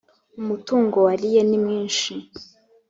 umutungo wa liye nimwishi .